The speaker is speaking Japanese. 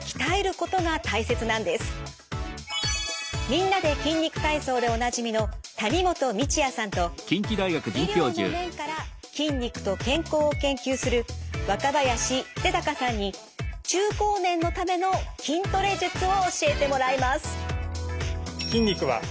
「みんなで筋肉体操」でおなじみの谷本道哉さんと医療の面から筋肉と健康を研究する若林秀隆さんに中高年のための筋トレ術を教えてもらいます。